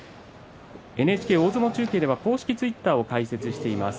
ＮＨＫ大相撲中継では公式ツイッターを開設しています。